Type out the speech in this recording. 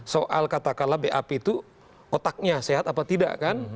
soal katakanlah bap itu otaknya sehat apa tidak kan